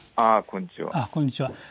こんにちは。